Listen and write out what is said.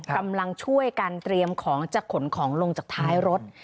กำลังช่วยกันเตรียมของจะขนของลงจากท้ายรถ